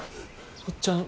おっちゃん